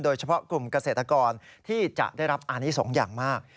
โดยเฉพาะกลุ่มเกษตรกรที่จะได้รับอานิสงฆ์อย่างมาก